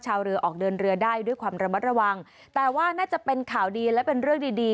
ชาวเรือออกเดินเรือได้ด้วยความระมัดระวังแต่ว่าน่าจะเป็นข่าวดีและเป็นเรื่องดีดี